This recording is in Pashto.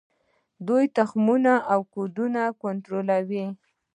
دوی تخمونه او کود کنټرولوي.